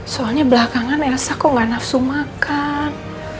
soalnya belakangan ngerasa kok gak nafsu makan